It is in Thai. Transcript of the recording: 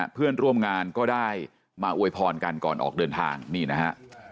เพื่อนร่วมงานก็ได้มาอวยพรกันก่อนออกเดินทางนี่นะฮะ